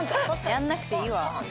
やんなくていいわ。